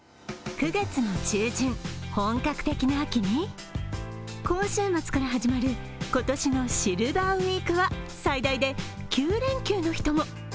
９月の中旬、本格的な秋に、今週末から始まる今年のシルバーウィークは最大で９連休の人も。